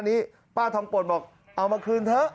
อันนี้ป้าท้องปนบอกเอามาคืนเถอะ